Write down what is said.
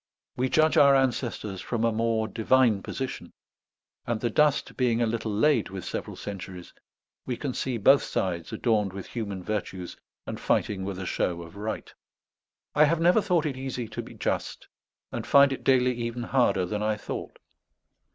We judge our ancestors from a more divine position; and the dust being a little laid with several centuries, we can see both sides adorned with human virtues and fighting with a show of right. I have never thought it easy to be just, and find it daily even harder than I thought.